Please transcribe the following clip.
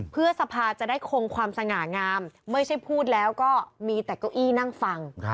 เพื่อสภาจะได้คงความสง่างามไม่ใช่พูดแล้วก็มีแต่เก้าอี้นั่งฟัง